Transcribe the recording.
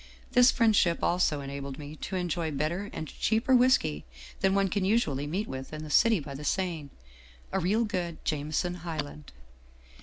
This friendship also enabled me to enjoy better and cheaper whisky than one can usually meet with in the city by the Seine, a real good ' Jameson Highland.'